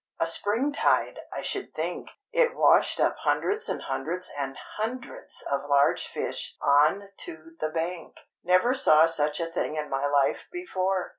"A spring tide, I should think. It's washed up hundreds and hundreds and hundreds of large fish on to the bank. Never saw such a thing in my life before.